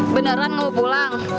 beneran mau pulang